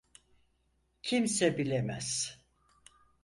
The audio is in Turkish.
Kimse bilemez.